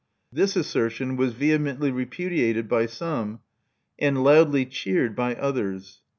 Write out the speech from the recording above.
This assertion was vehemently repudiated by some, and loudly cheered by others.